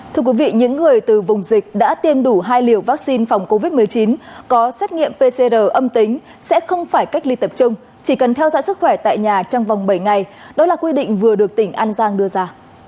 thưa quý vị những người từ vùng dịch đã tiêm đủ hai liều vaccine phòng covid một mươi chín có xét nghiệm pcr âm tính sẽ không phải cách ly tập trung chỉ cần theo dõi sức khỏe tại nhà trong vòng bảy ngày đó là quy định vừa được tỉnh an giang đưa ra